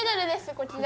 こちら☎